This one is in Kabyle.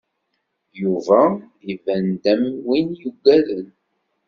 Yuba iban-d am win yuggaden.